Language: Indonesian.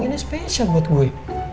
ini spesial buat gue